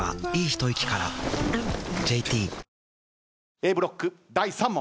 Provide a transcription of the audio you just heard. Ａブロック第３問。